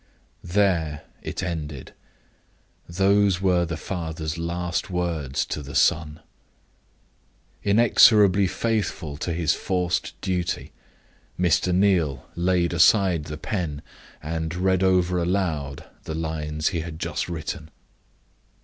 There it ended. Those were the father's last words to the son. Inexorably faithful to his forced duty, Mr. Neal laid aside the pen, and read over aloud the lines he had just written.